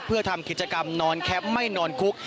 เพื่อทำกิจกรรมนอนแคปไม่นอนคุก